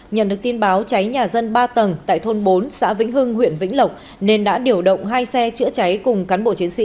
nhận được tin báo cháy nhà dân ba tầng tại thôn bốn xã vĩnh hưng huyện vĩnh lộc nên đã điều động hai xe chữa cháy cùng cán bộ chiến sĩ